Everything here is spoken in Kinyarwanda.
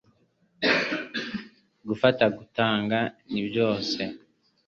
Gufata gutanga ni byose